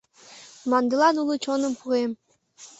Мландылан уло чонем пуэм!